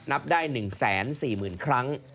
นับได้๑๔๐๐๐ครั้ง